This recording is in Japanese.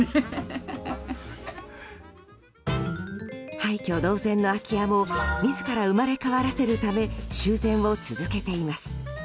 廃虚同然の空き家も自ら生まれ変わらせるため修繕を続けています。